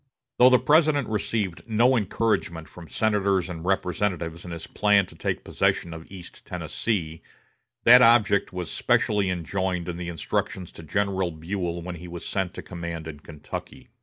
Though the President received no encouragement from senators and representatives in his plan to take possession of East Tennessee, that object was specially enjoined in the instructions to General Buell when he was sent to command in Kentucky.